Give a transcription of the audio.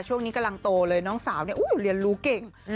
ช่วงนี้กำลังโตเลยน้องสาวเนี่ยเรียนรู้เก่ง